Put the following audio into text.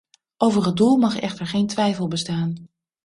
Over het doel mag echter geen twijfel bestaan.